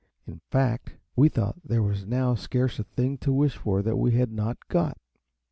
In fact, we thought there was now scarce a thing to wish for that we had not got.